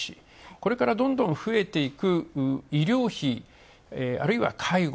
これからどんどん増えていく医療費、あるいは介護。